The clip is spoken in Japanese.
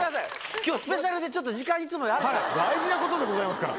きょうスペシャルで、時間、いつもよりあるか大事なことでございますから。